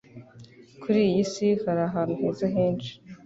Kuri iyi si hari ahantu heza henshi